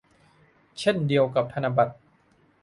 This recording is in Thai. เช่นเดียวกับธนบัตร